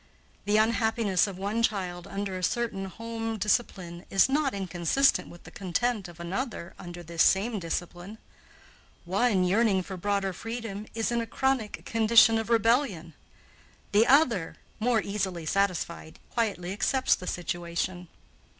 The unhappiness of one child under a certain home discipline is not inconsistent with the content of another under this same discipline. One, yearning for broader freedom, is in a chronic condition of rebellion; the other, more easily satisfied, quietly accepts the situation.